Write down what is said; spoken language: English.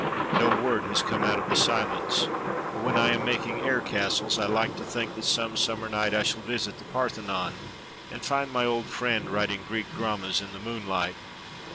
No word has come out of the silence, but when I am making air castles I like to think that some summer night I shall visit the Parthenon and find my old friend writing Greek dramas in the moonlight.